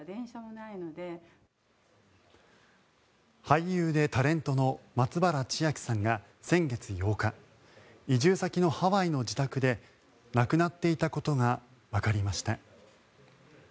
俳優でタレントの松原千明さんが先月８日移住先のハワイの自宅で亡くなっていたことがわかりました。